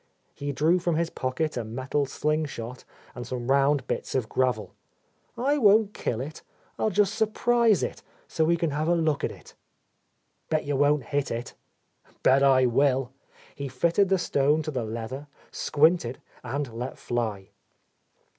He drew from his pocket a metal sling shot and some round bits of gravel. "I won't kill it. I'll just surprise it, so we can have a look at it." . "Bet you won't hit it 1" "Bet I will !" He fitted the stone to the „ leather, squinted, and let fly.